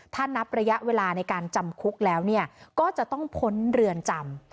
ถ้านับระยะเวลาในการจำคุกแล้วก็จะต้องพ้นเรือนจำ